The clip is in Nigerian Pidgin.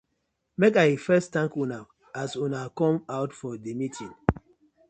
Mak I first thank una as una come out for di meeting.